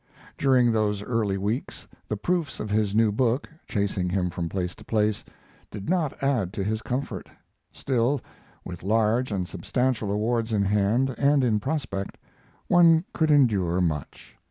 During those early weeks the proofs of his new book, chasing him from place to place, did not add to his comfort. Still, with large, substantial rewards in hand and in prospect, one could endure much.